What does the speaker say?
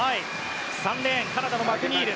３レーンカナダのマクニール。